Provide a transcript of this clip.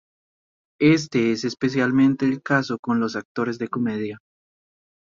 Éste es especialmente el caso con los actores de comedia.